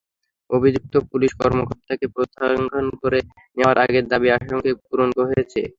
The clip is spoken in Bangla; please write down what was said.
অভিযুক্ত পুলিশ কর্মকর্তাকে প্রত্যাহার করে নেওয়ায় তাঁদের দাবি আংশিক পূরণ হয়েছে।